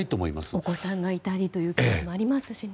お子さんがいたりというケースもありますしね。